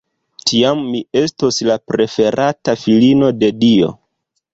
Tiam mi estos la preferata filino de Dio!